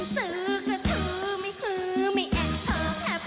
สุขกระทุมไม่คือไม่แอบโทรคับ